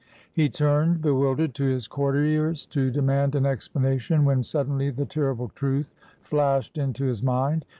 He turned, bewildered, to his courtiers, to demand an explanation, when suddenly the terrible truth flashed into his mind.